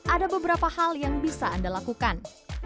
ada beberapa hal yang bisa anda lakukan